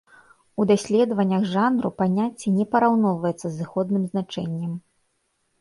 У даследаваннях жанру паняцце не параўноўваецца з зыходным значэннем.